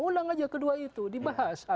ulang aja kedua itu dibahas